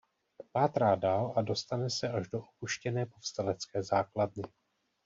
Pátrá dál a dostane se až do opuštěné povstalecké základny.